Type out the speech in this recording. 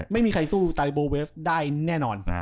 ไม่มีใครสู้ไตโบเวฟได้แน่นอน